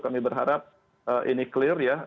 kami berharap ini clear ya